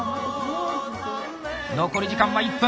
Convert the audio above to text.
残り時間は１分！